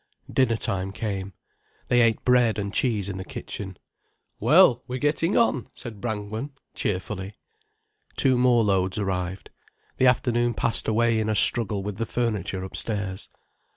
Dinner time came. They ate bread and cheese in the kitchen. "Well, we're getting on," said Brangwen, cheerfully. Two more loads arrived. The afternoon passed away in a struggle with the furniture, upstairs.